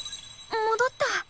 もどった。